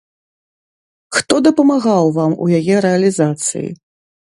Хто дапамагаў вам у яе рэалізацыі?